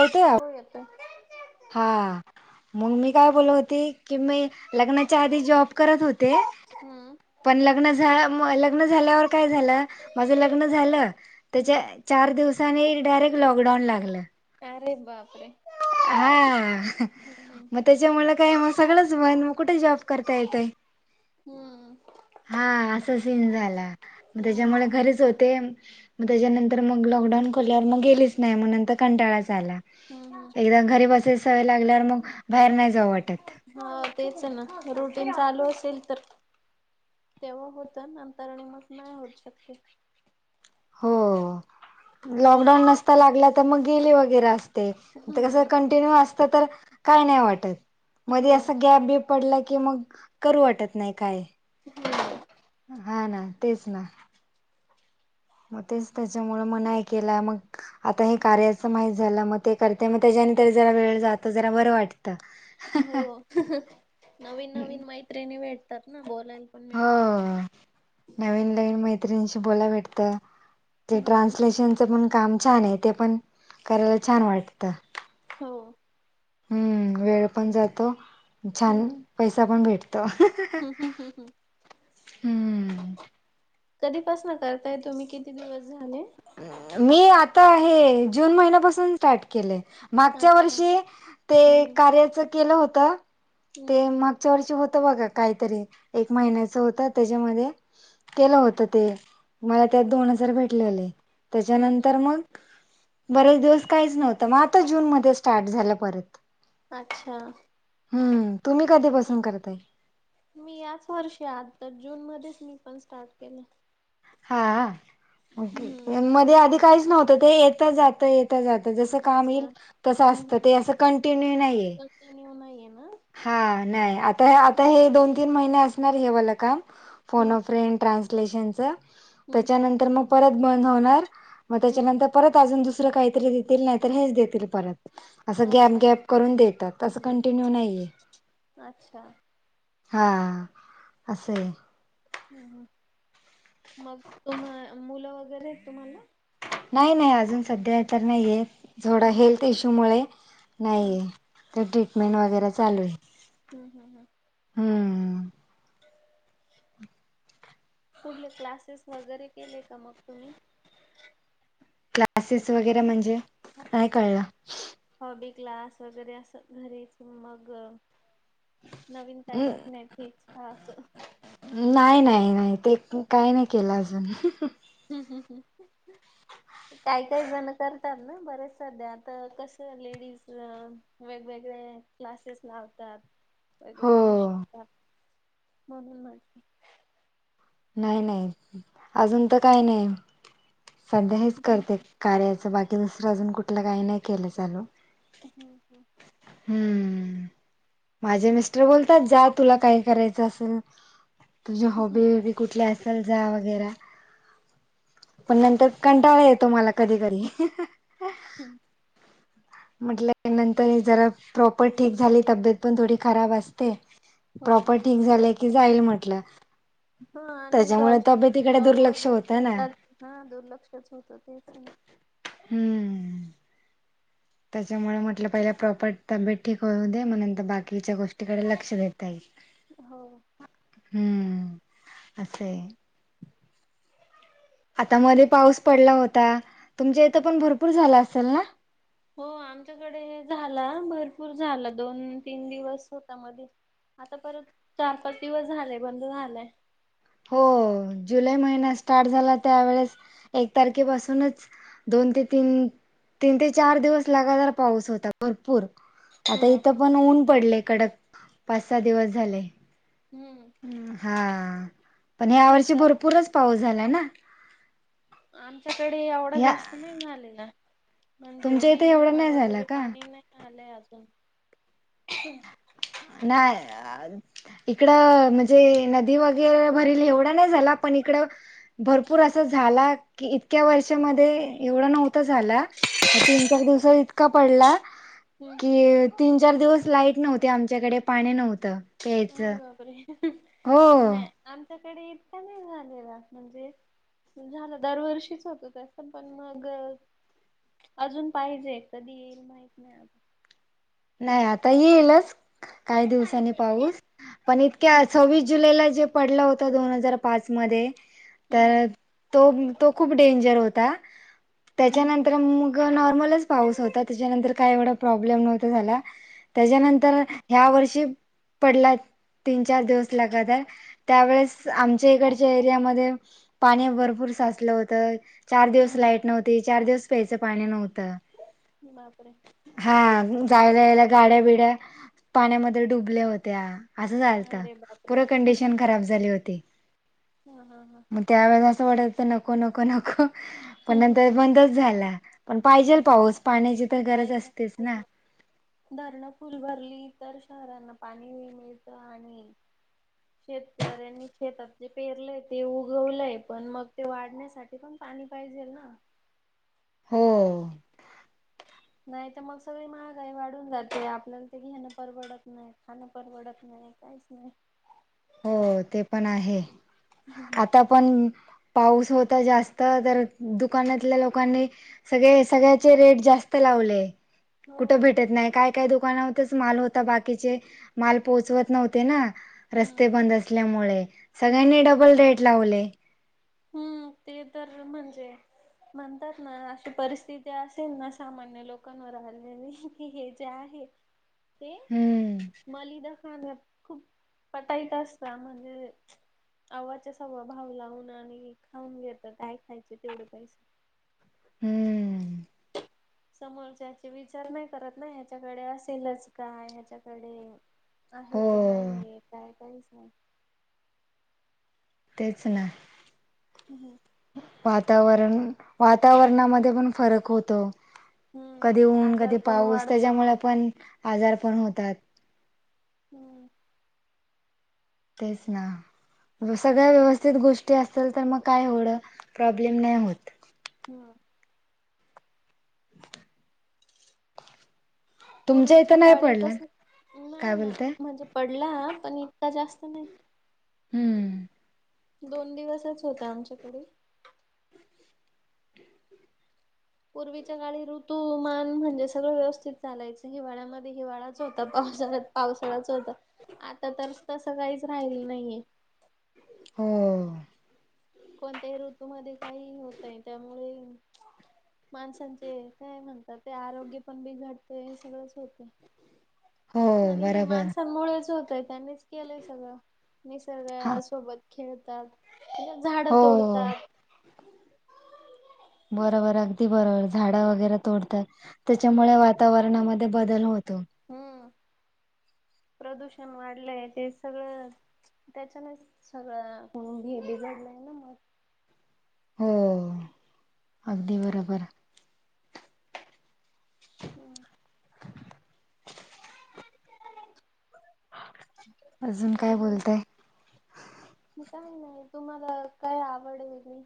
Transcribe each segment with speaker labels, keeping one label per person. Speaker 1: येतोय आवाज?
Speaker 2: हो येतोय.
Speaker 1: हा, मग मी काय बोलत होती कि मी लग्नाच्या आधी जॉब करत होते.
Speaker 2: हम्म.
Speaker 1: पण लग्न झा मग लग्न झाल्यावर काय झालं, माझं लग्न झालं त्याच्या
Speaker 2: हम्म
Speaker 1: चार दिवसांनी डायरेक्ट लॉकडाऊन लागलं.
Speaker 2: अरे बापरे.
Speaker 1: हा मग त्याच्यामुळं काय मग सगळंच बंद, मग कुठे जॉब करता येतय.
Speaker 2: हम्म.
Speaker 1: हा असा सीन झाला, मग त्याच्यामुळे
Speaker 2: हम्म
Speaker 1: घरीच होते. मग त्याच्यानंतर मग लॉकडाऊन खोल्यावर मग गेलीच नाही, मग नंतर कंटाळाच आला.
Speaker 2: हम्म हम्म.
Speaker 1: एकदा घरी बसायची सवय लागल्यावर मग बाहेर नाही जावं वाटत.
Speaker 2: हा तेच ना रुटीन चालू असेल तर तेव्हा होतं नंतर नी मग नाही होत शक्य.
Speaker 1: हो लॉकडाऊन नसता लागला तर मग गेले वगैरे असते, आता कसं
Speaker 2: हम्म
Speaker 1: कंटिन्यू असतं तर काय नाही वाटत. मध्ये
Speaker 2: हो
Speaker 1: असा गॅप बीप पडला की मग करू वाटत नाही काय.
Speaker 2: हम्म
Speaker 1: हा ना तेच ना. मग तेच त्याच्यामुळे मग नाही केला, मग आता हे कार्याचं माहित झालं, मग ते करते, मग त्याच्याने तरी जरा वेळ जातो, जरा बरं वाटतं.
Speaker 2: हो नवीन नवीन मैत्रिणी भेटतात ना बोलायला. पण
Speaker 1: हो
Speaker 2: मिळतात.
Speaker 1: नवीन नवीन मैत्रिणींशी बोलाय भेटतं. ते
Speaker 2: हम्म
Speaker 1: ट्रान्सलेशनचं पण काम छान आहे, ते पण करायला छान वाटतं.
Speaker 2: हो.
Speaker 1: हम्म, वेळ पण जातो, छान पैसा पण भेटतो.
Speaker 2: [unintelligible]
Speaker 1: हम्म.
Speaker 2: कधीपासनं करताय तुम्ही किती दिवस झाले?
Speaker 1: मी आता हे जून महिन्यापासून स्टार्ट केलंय. मागच्या
Speaker 2: अच्छा
Speaker 1: वर्षी ते
Speaker 2: हम्म
Speaker 1: कार्याच केलं होतं
Speaker 2: हम्म
Speaker 1: ते मग च्या वर्षी होतं बघा काहीतरी एक महिन्याच होतं, त्याच्यामध्ये केलं होतं ते, मला त्यात दोन हजार भेटलेले
Speaker 2: हम्म हम्म हम्म.
Speaker 1: त्याच्यानंतर मग बरेच दिवस काहीच नव्हतं, मग आता जून मध्ये स्टार्ट झालं परत.
Speaker 2: अच्छा.
Speaker 1: हम्म, तुम्ही कधीपासून करताय?
Speaker 2: मी याच वर्षी आत्ता जूनमध्येच मी पण स्टार्ट केलंय.
Speaker 1: हा
Speaker 2: हम्म
Speaker 1: ओके मध्ये आधी काहीच नव्हतं ते येत जातं येतं जातं जसं काम
Speaker 2: अच्छा
Speaker 1: येईल
Speaker 2: हम्म
Speaker 1: तसं
Speaker 2: हम्म
Speaker 1: असतं ते
Speaker 2: हम्म.
Speaker 1: असं कंटिन्यू नाहीय.
Speaker 2: कंटिन्यू नाहीये ना?
Speaker 1: हा नाही आता आता हे दोन तीन महिने असणार हे मला काम फोन
Speaker 2: हम्म
Speaker 1: अ फ्रेंड, ट्रान्स क्रिप्शनच
Speaker 2: हम्म
Speaker 1: त्याच्यानंतर मग परत बंद होणार मग
Speaker 2: हम्म
Speaker 1: त्यांच्यानंतर परत अजून दुसरं काहीतरी देतील नाही तर हेच देतील परत. अस गॅप
Speaker 2: अच्छा
Speaker 1: गॅप करून देतात
Speaker 2: हम्म
Speaker 1: अस
Speaker 2: हम्म हम्म.
Speaker 1: कंटिन्यू नाहीये.
Speaker 2: अच्छा
Speaker 1: हा असय
Speaker 2: हम्म हम्म मग तु मुल वगैरे तुम्हाला?
Speaker 1: नाही नाही अजून सध्या तर नाहीये थोडा
Speaker 2: नाही
Speaker 1: हेल्थ
Speaker 2: ना?
Speaker 1: इश्यू मुळे
Speaker 2: हा
Speaker 1: नाहीये. तर ट्रीटमेंट वगैरे चालू आहे.
Speaker 2: हम्म हम्म हं
Speaker 1: हम्म
Speaker 2: कुठले क्लासेस वगैरे केले का मग तुम्ही?
Speaker 1: क्लासेस वगैरे म्हणजे नाही कळल?
Speaker 2: हॉबी क्लास वगैरे अस घरीच मग नवीन काय शिकण्याची इच्छा अस.
Speaker 1: नाही नाही नाही ते काही नाही केल अजून.
Speaker 2: [inaudible] काय काही जण करतात ना बरेच सध्या आता कस लेडीज वेगवेगळे क्लासेस लावतात.
Speaker 1: हो.
Speaker 2: वेगवेगळे शिकतात म्हणून म्हंटल.
Speaker 1: नाही नाही अजून तर काय नाही, सध्या हेच करते. कार्याच बाकी दुसर अजून कुठल काही नाही केल चालू.
Speaker 2: हम्म हम्म
Speaker 1: हम्म माझे मिस्टर बोलतात जा तुला काय करायच असल. तुझी हॉबी बिबी कुठली असेल जा वगैरे. पण नंतर कंटाळा येतो मला कधी कधी.
Speaker 2: हम्म
Speaker 1: म्हंटल नंतर जरा प्रॉपर ठीक झाली तब्येत पण थोडी खराब असते.
Speaker 2: हो
Speaker 1: प्रॉपर ठीक झाले की जाईल म्हटल.
Speaker 2: हा आणि जॉब जॉब
Speaker 1: दुर्लक्ष
Speaker 2: वगैरे
Speaker 1: होतं ना
Speaker 2: केला, हा दुर्लक्षच होत. तेच ना
Speaker 1: हम्म त्याच्यामुळे म्हटल पहिल्या प्रॉपर तब्येत ठीक होऊ दे मग नंतर बाकीच्या गोष्टीकडे लक्ष देता येईल.
Speaker 2: हो
Speaker 1: हम्म असय.
Speaker 2: [inaudible]
Speaker 1: आता मध्ये पाऊस पडला होता. तुमच्या इथ पण भरपूर झाला असेल ना?
Speaker 2: हो आमच्याकडे झाला, भरपूर झाला दोन तीन दिवस होता मध्ये. आता परत चार पाच दिवस झालेय बंद झालाय.
Speaker 1: हो जुलै महिना स्टार्ट झाला त्यावेेळेस एक तारखेपासूनच दोन ते तीन, तीन ते चार दिवस लगादार पाऊस होता भरपूर. आता
Speaker 2: ह
Speaker 1: इथ, पण ऊन पडलय कडक पाच सहा दिवस झाले.
Speaker 2: हम्म
Speaker 1: हां पण ह्यावर्षी
Speaker 2: शेतात
Speaker 1: भरपूरच पाऊस झाला ना.
Speaker 2: आमच्याकडे एवढा
Speaker 1: या
Speaker 2: जास्त नाही झालेला. म्हणजे
Speaker 1: तुमच्या इथे
Speaker 2: विहिरी
Speaker 1: एवढा
Speaker 2: ना
Speaker 1: नाही झाला
Speaker 2: वगैरे
Speaker 1: का
Speaker 2: पाणी नाय आलय अजून.
Speaker 1: नाही. इकड म्हणजे नदी वगैरे भरेल एवढा नाही झाला पण इकड भरपूर असा झाला की इतक्या वर्षामध्ये एवढा नव्हता झाला. तीन चार दिवसात इतका पडला
Speaker 2: हम्म
Speaker 1: की तीन चार दिवस लाईट नव्हती आमच्याकडे पाणी नव्हत प्यायच
Speaker 2: अरे बापरे.
Speaker 1: हो.
Speaker 2: नाही आमच्याकडे इतका नाही झालेला. म्हणजे झालं दरवर्षीच होत. तर पण मग अजून पाहिजे कधी येईल माहित नाही. आता
Speaker 1: नाही आता येईलच, काही दिवसांनी पाऊस पण इतक्या
Speaker 2: हम्म
Speaker 1: सव विस जुलैला जे पडला होत. दोन हजार पाच मध्ये
Speaker 2: हम्म
Speaker 1: तर तो तो खूप डेंजर होता.
Speaker 2: हम्म
Speaker 1: त्याच्यानंतर मग नॉर्मलच पाऊस होता. त्याच्यानंतर काय एवढा प्रॉब्लेम नव्हता झाला
Speaker 2: हम्म
Speaker 1: त्याच्यानंतर ह्या वर्षी पडला. तीन चार दिवस लगातार त्यावेळेस आमच्या इकडच्या एरियामध्ये पाणी भरपूर साचलं होतं. चार दिवस
Speaker 2: हम्म
Speaker 1: लाईट नव्हती, चार दिवस प्यायचं पाणी नव्हतं.
Speaker 2: बापरे!
Speaker 1: हा जायला यायला गाड्यां, बिड्या पाण्यामध्ये डुबल्या होत्या. असं झालंत.
Speaker 2: अरे बापरे
Speaker 1: पुर कंडिशन खराब झाली होती.
Speaker 2: हा हा हा.
Speaker 1: मग त्यावेेळेला असं वाटतं होतं. नको, नको, नको पण
Speaker 2: हम्म
Speaker 1: नंतर बंदच झाला. पण पाहिजेल.
Speaker 2: हम्म
Speaker 1: पाऊस पाण्याची तर गरज
Speaker 2: पाहिजे
Speaker 1: असतेच
Speaker 2: तेच
Speaker 1: ना!
Speaker 2: धरणं फुल भरली तर शहरांना पाणीही मिळतं. आणि
Speaker 1: [inaudible]
Speaker 2: शेतकऱ्यांनी शेतात जे पेरलंय ते उगवलंय पण मग ते वाढण्यासाठी पण पाणी पाहिजेल ना?
Speaker 1: हो
Speaker 2: नाही तर मग सगळी महागाई वाढून जाते. 'आपल्याला ते घेणं परवडत नाही, खाणं परवडत नाही. नाही काहीच नाही.
Speaker 1: हो ते पण आहे.
Speaker 2: हह
Speaker 1: आता पण पाऊस होता. जास्त तर दुकानातल्या लोकांनी सगळे सगळ्याचे रेट जास्त लावले.
Speaker 2: हो
Speaker 1: कुठे भेटत नाही. काय काय दुकानातच माल होता. बाकीचे माल पोहोचवत नव्हते ना.
Speaker 2: हम्म
Speaker 1: रस्ते बंद असल्यामुळे
Speaker 2: हम्म
Speaker 1: सगळ्यांनी डबल रेट लावले.
Speaker 2: हू ते तर म्हणजे म्हणतात ना अशी परिस्थिती असेल. ना सामान्य लोकांवर आलेली की हे जे आहे.
Speaker 1: [inaudible]
Speaker 2: ते
Speaker 1: हम्म
Speaker 2: मालिदा खाना खूप पटाईट असता म्हणजे आव्हाच्या, सव्वा भाव लावून आणि खाऊन घेत काय खायचे तेवढे पैसे
Speaker 1: हम्म
Speaker 2: समोरच्याचे विचार नाही. 'करत ना ह्याच्याकडे असेलच का ह्याच्याकडे आहे
Speaker 1: हो
Speaker 2: की नाही ये, काय काहीच नाही.
Speaker 1: तेच ना
Speaker 2: हं हं
Speaker 1: वातावरण वातावरणामधे पण फरक होतो.
Speaker 2: हम्म
Speaker 1: कधी ऊन,
Speaker 2: आजार
Speaker 1: कधी
Speaker 2: पण
Speaker 1: पाऊस
Speaker 2: वाढत मग
Speaker 1: त्याच्यामुळे पण आजार पण होतात.
Speaker 2: हं
Speaker 1: तेच ना सगळ्या व्यवस्थित गोष्टी असतील. तर मग काय एवढ प्रॉब्लेम नाही होत.
Speaker 2: हम
Speaker 1: तुमच्या
Speaker 2: पुर्वीच्या
Speaker 1: इथं नाही
Speaker 2: काळी
Speaker 1: पडलं
Speaker 2: कस नाही
Speaker 1: काय
Speaker 2: ना
Speaker 1: बोलते
Speaker 2: म्हणजे पडला पण इतका जास्त नाही
Speaker 1: हम्म
Speaker 2: दोन दिवसच होता आमच्याकडे पुर्वीच्या काळी ऋतूमान म्हणजे सगळ व्यवस्थित चालायच हिवाळ्यामध्ये हिवाळाच होता पावसाळ्यात पावसाळाच होत आता तर तस काहीच राहिल नाहीये
Speaker 1: हम
Speaker 2: कोणत्याही ऋतू मधे काहीही होतय त्यामुळे माणसांचे काय म्हणतात ते आरोग्य पण बिघडतय सगळच होतय
Speaker 1: हो
Speaker 2: आणि हे
Speaker 1: बरोबर
Speaker 2: माणसांमुळेच होतय त्यांनीच केलय सगळ
Speaker 1: हा
Speaker 2: निसर्गासोबत खेळतात झाड
Speaker 1: हो
Speaker 2: तोडतात
Speaker 1: बरोबर अगदी बरोबर झाड वगैरे तोडतात
Speaker 2: हम्म
Speaker 1: त्याच्यामुळे वात तावरणामध्ये बदल होतो
Speaker 2: हम्म प्रदूषण वाढलय ते सगळ त्याच्यानच सगळ बिघडलं
Speaker 1: हो अगदी बरोबर [inaudible] अजुन काय बोलताय
Speaker 2: काही नाही तुम्हाला काय आवड वगैरे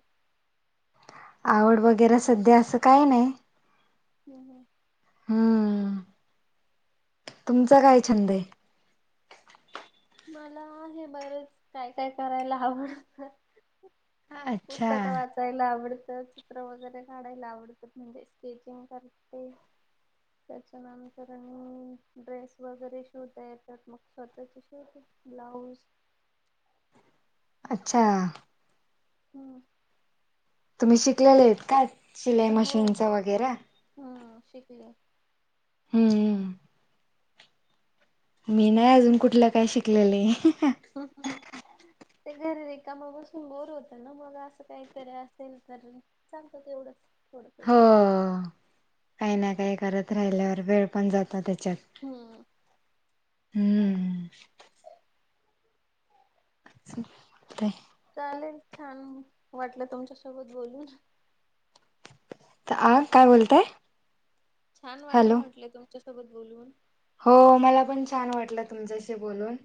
Speaker 1: आवड वगैरे सध्या अस काही नाही
Speaker 2: हम्म हं
Speaker 1: हम्म तुमचा काय छंद आहे
Speaker 2: मला हे बरंच काय काय करायला आवडत
Speaker 1: अच्छा.
Speaker 2: पुस्तक वाच वाचायला आवडत चित्र वगैरे काढायला आवडत म्हणजे स्केचिंग करते त्याच्यानंतर आणि ड्रेस वगैरे शिवता येतात मग स्वतःचे शिवते ब्लाऊज
Speaker 1: अच्छा
Speaker 2: हम्म
Speaker 1: तुम्ही शिकलेले आहेत काय शिलाई मशीनच वगैरा
Speaker 2: ह शिकले
Speaker 1: हम्म्म मी नाही अजून कुठल काय शिकलेले
Speaker 2: हम्म ते घरी रिकाम बसुन बोर होत ना मग अस काहीतरी असेल तर चालत तेवढच
Speaker 1: हो काही ना काही करत राहिल्यावर वेळ पण जातो त्याच्यात
Speaker 2: हम्म.
Speaker 1: हम्म चालते
Speaker 2: चालेल छान वाटल तुमच्यासोबत बोलुन
Speaker 1: त आ काय बोलताय
Speaker 2: छान वाटल
Speaker 1: हॅलो
Speaker 2: म्हटल तुमच्यासोबत बोलून
Speaker 1: हो मला पण छान वाटल तुमच्याशी बोलुन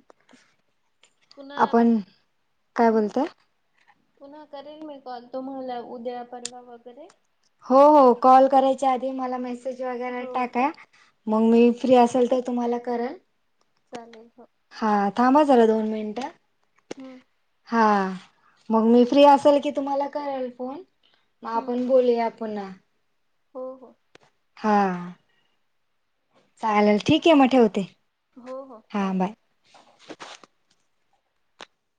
Speaker 2: पुन्हा
Speaker 1: आपण काय
Speaker 2: हम्म
Speaker 1: बोलताय?
Speaker 2: पुन्हा करेल मी कॉल तुम्हाला उद्या परवा वगैरे.
Speaker 1: हो हो कॉल करायच्या आधी मला मेसेज वगैरे
Speaker 2: हो हो
Speaker 1: टाका, मग मी
Speaker 2: हम्म.
Speaker 1: फ्री असेल तर तुम्हाला करल
Speaker 2: चालेल हो.
Speaker 1: हा, थांबा हा जरा दोन मिनिटं.
Speaker 2: हम्.
Speaker 1: हा, मग मी फ्री असेल की तुम्हाला करेल फोन म
Speaker 2: हम्म
Speaker 1: आपण बोलूया पुन्हा.
Speaker 2: हो, हो.
Speaker 1: हा.
Speaker 2: [inaudible]
Speaker 1: चालेल ठीक ये म ठेवते.
Speaker 2: हो हो बाय.